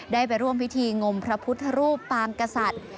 ได้ไปร่วมพิธีงมพระพุทธรูปปางกษัตริย์